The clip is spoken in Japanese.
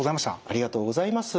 ありがとうございます。